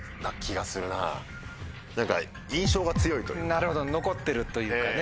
なるほど残ってるというかね。